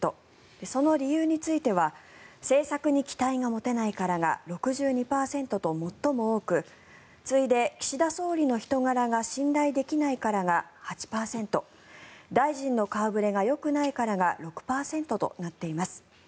その理由については政策に期待が持てないからが６２％と最も多く次いで岸田総理の人柄が信頼できないからが８％大臣の顔触れがよくないからが６％となっています。